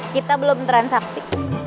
kita belum transaksi